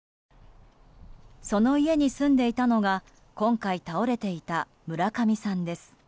その家に住んでいたのが今回、倒れていた村上さんです。